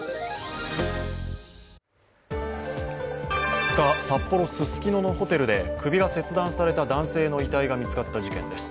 ２日、札幌・ススキノのホテルで首が切断された男性の遺体が見つかった事件です。